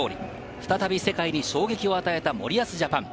再び世界に衝撃を与えた森保ＪＡＰＡＮ。